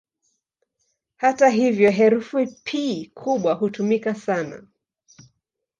Hata hivyo, herufi "P" kubwa hutumika sana.